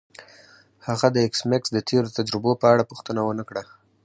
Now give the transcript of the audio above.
هغه د ایس میکس د تیرو تجربو په اړه پوښتنه ونه کړه